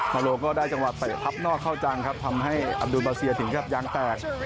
โลก็ได้จังหวะเตะทับนอกเข้าจังครับทำให้อันดูนมาเซียถึงกับยางแตก